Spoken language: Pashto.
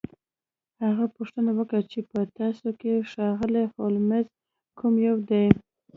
هغه پوښتنه وکړه چې په تاسو کې ښاغلی هولمز کوم یو دی